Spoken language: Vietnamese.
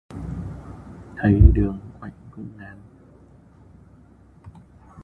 Thấy đường quạnh cũng ngán